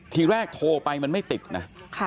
ทีแรกโทรไปมันไม่ติดนะ